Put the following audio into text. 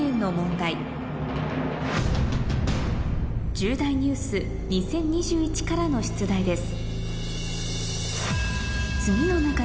『重大ニュース２０２１』からの出題です